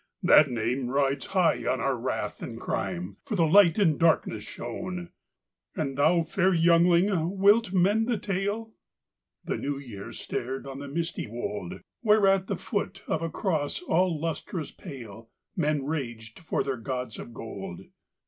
That name rides high on our wrath and crime, For the Light in darkness shone. " And thou, fair youngling, wilt mend the tale? " The New Year stared on the misty wold, Where at foot of a cross all lustrous pale Men raged for their gods of gold.